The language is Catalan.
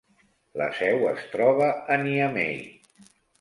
La seu es troba a Niamey.